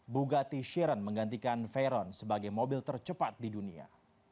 bugatti chiron menggantikan veyron sebagai mobil tercepat di dunia